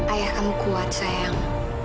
ayah kamu kuat sayang